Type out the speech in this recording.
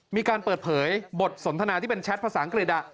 มีการเปิดเผยบทสนทนาที่เป็นแชทภาษาอังกฤษ